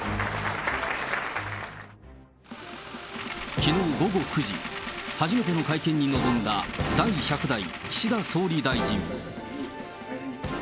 きのう午後９時、初めての会見に臨んだ第１００代岸田総理大臣。